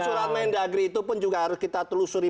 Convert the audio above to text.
surat mendagri itu pun juga harus kita telusuri